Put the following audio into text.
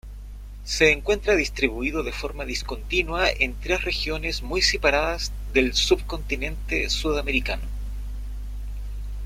Se encuentra distribuido de forma discontinua en tres regiones muy separadas del subcontinente sudamericano.